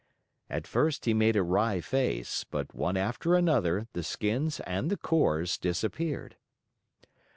At first he made a wry face, but, one after another, the skins and the cores disappeared.